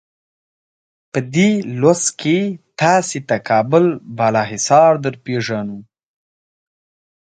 په دې لوست کې تاسې ته کابل بالا حصار درپېژنو.